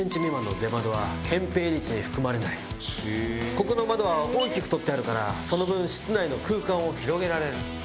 ここの窓は大きく取ってあるからその分室内の空間を広げられる。